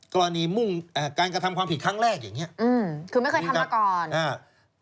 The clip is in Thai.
กรณีมุ่งการกระทำความผิดคลั้งแรกอย่างนี้อืมคือไม่เคยทำมาก่อน